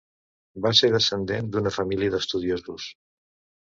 Va ser descendent d'una família d'estudiosos.